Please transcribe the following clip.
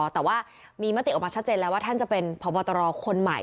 แต่ว่ามีมติออกมาชัดเจนแล้วว่าท่านจะเป็นพบตรคนใหม่